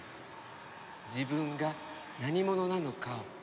自分が何者なのかを。